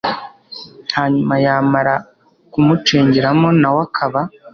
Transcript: hanyuma yamara kumucengeramo na we akaba